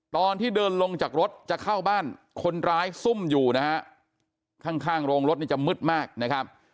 ตอนที่เดินลงจากรถจะเข้าบ้านคนร้ายซุ่มอยู่นะฮะข้างโรงรถนี่จะมืดมากนะครับ